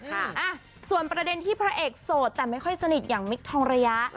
อ่ะส่วนประเด็นที่พระเอกโสดแต่ไม่ค่อยสนิทอย่างมิคทองระยะ